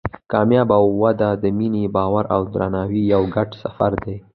کامیابه واده د مینې، باور او درناوي یو ګډ سفر دی.